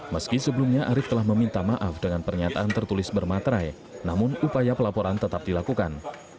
meski sebelumnya arief telah meminta maaf dengan pernyataan tertulis bermaterai namun upaya pelaporan tetap dilakukan